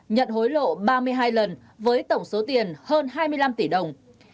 nhận hối lộ ba mươi hai lần với tổng số tiền hơn hai mươi năm tỷ đồng